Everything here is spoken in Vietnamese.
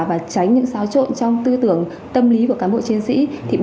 và tránh những xáo trộn trong tư tưởng tâm lý của cán bộ chiến sĩ